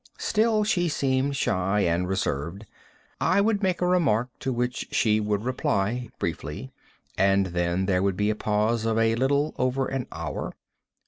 Still, she seemed shy and reserved. I would make a remark to which she would reply briefly, and then there would be a pause of a little over an hour.